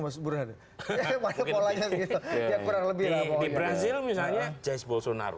semuanya kemarin polanya gitu ya kurang lebih lah pohonnya di brazil misalnya